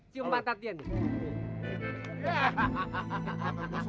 cium patat dia nih